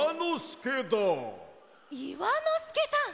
いわのすけさん！